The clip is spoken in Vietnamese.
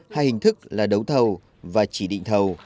hai hình thức là đấu thầu và chỉ định thầu